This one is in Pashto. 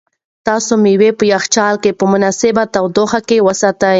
تاسو مېوې په یخچال کې په مناسبه تودوخه کې وساتئ.